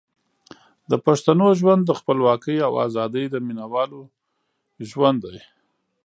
د پښتنو ژوند د خپلواکۍ او ازادۍ د مینوالو ژوند دی.